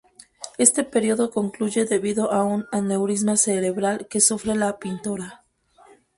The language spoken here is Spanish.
Este periodo concluye debido a un aneurisma cerebral que sufre la pintora.